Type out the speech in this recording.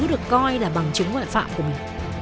được coi là bằng chứng ngoại phạm của mình